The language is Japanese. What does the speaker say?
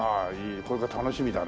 これから楽しみだね。